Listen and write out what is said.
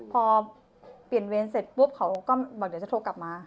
พอเปลี่ยนเวรเสร็จปุ๊บเขาก็บอกเดี๋ยวจะโทรกลับมา